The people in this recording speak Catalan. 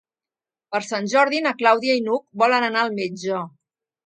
Per Sant Jordi na Clàudia i n'Hug volen anar al metge.